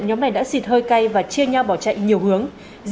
nhóm này đã xịt hơi cay và chia nhau bỏ chạy nhiều hướng